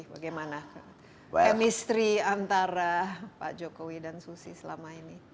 bagaimana chemistry antara pak jokowi dan susi selama ini